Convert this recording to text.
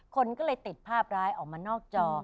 คนก็เลยติดภาพร้ายออกมานอกจอ